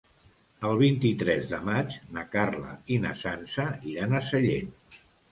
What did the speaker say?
El vint-i-tres de maig na Carla i na Sança iran a Sallent.